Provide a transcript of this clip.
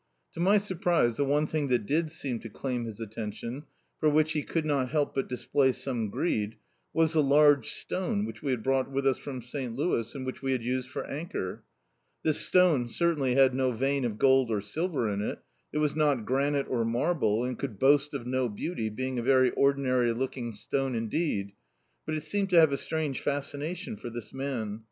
To my surprise the one thing that did seem to claim his attenticm, for which he could not help but display some greed, was the large stone whidi we had brought with us frnn Sl Louis, and which we had used for anchor This stone certainly had no vein of gold or silver in it, it was not granite or marble, and could boast of no beauty, being a very ordinary looking stone indeed, but it seemed to have a strange fascination for this man.